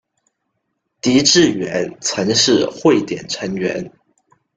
狄志远曾是汇点成员。